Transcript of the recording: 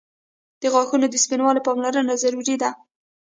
• د غاښونو د سپینوالي پاملرنه ضروري ده.